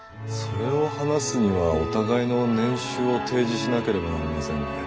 それを話すにはお互いの年収を提示しなければなりませんね。